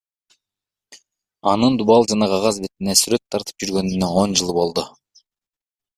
Анын дубал жана кагаз бетине сүрөт тартып жүргөнүнө он жыл болду.